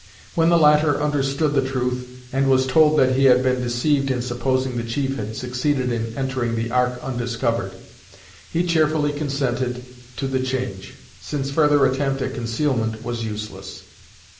When the latter understood the truth, and was told that he had been deceived in supposing the chief had succeeded in entering the Ark undiscovered, he cheerfully consented to the change, since further attempt at concealment was useless.